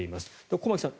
駒木さん